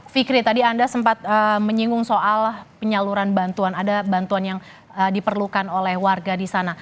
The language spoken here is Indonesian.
fikri tadi anda sempat menyinggung soal penyaluran bantuan ada bantuan yang diperlukan oleh warga di sana